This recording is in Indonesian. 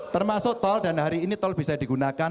termasuk tol dan hari ini tol bisa digunakan